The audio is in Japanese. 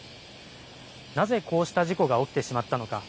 なぜこうした事故が起きてしまったのか。